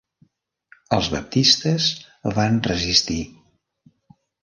Els baptistes van resistir.